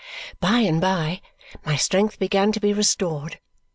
By and by my strength began to be restored.